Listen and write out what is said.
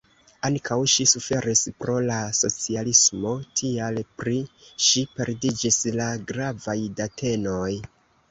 Ankaŭ ŝi suferis pro la socialismo, tial pri ŝi perdiĝis la gravaj datenoj.